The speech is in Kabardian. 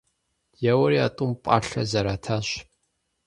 Еуэри а тӀум пӀалъэ зэрэтащ.